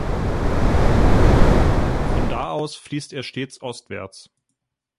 Von da aus fließt er stets ostwärts.